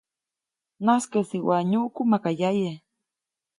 -Najskäsi waʼa nyuʼku maka yaye.-